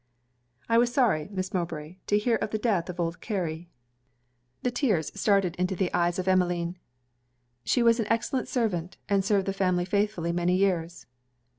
'I was sorry, Miss Mowbray, to hear of the death of old Carey.' The tears started into the eyes of Emmeline. 'She was an excellent servant, and served the family faithfully many years.'